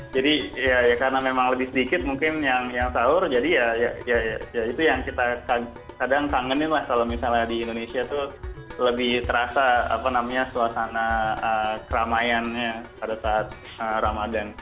jadi ya karena memang lebih sedikit mungkin yang sahur jadi ya itu yang kita kadang kangenin lah kalau misalnya di indonesia tuh lebih terasa apa namanya suasana keramaiannya pada saat ramadhan